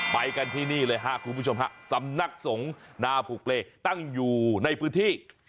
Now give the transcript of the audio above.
ไปกันที่นี่เลยครับคุณผู้ชมฮะสำนักสงฆ์นาผูกเลตั้งอยู่ในพื้นที่